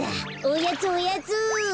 おやつおやつ。